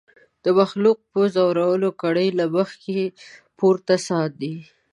د مخلوق په زورولو کړي له مځکي پورته ساندي